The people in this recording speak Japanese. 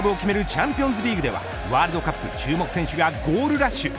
チャンピオンズリーグではワールドカップ注目選手がゴールラッシュ。